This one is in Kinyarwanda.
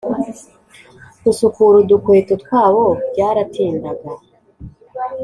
gusukura udukweto twabo byaratindaga